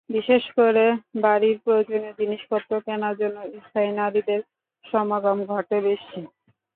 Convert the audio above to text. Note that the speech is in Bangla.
বিশেষ করে বাড়ির প্রয়োজনীয় জিনিসপত্র কেনার জন্য স্থানীয় নারীদের সমাগম ঘটে বেশি।